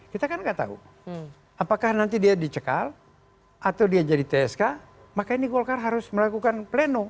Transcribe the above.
kita kan nggak tahu apakah nanti dia dicekal atau dia jadi tsk maka ini golkar harus melakukan pleno